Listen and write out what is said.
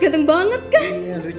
ganteng banget kan